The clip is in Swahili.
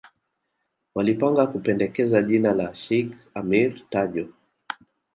Walipanga kupendekeza jina la Sheikh Ameir Tajo